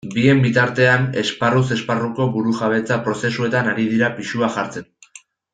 Bien bitartean, esparruz esparruko burujabetza prozesuetan ari dira pisua jartzen.